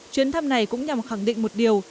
chuyến thăm này cũng nhằm khẳng định một điều